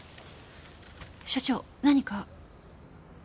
所長何か？